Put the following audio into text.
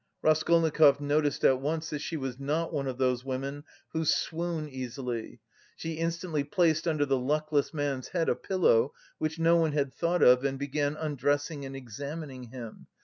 Raskolnikov noticed at once that she was not one of those women who swoon easily. She instantly placed under the luckless man's head a pillow, which no one had thought of and began undressing and examining him.